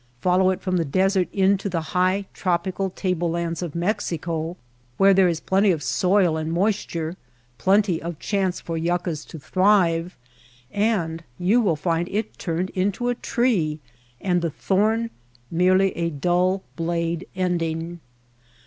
Follow it from the desert in to the high tropical table lands of Mexico where th^re is plenty of soil and moisture, plenty of chance for yuccas to thrive, and you will find it turned into a tree, and the thorn merely a dull blade ending.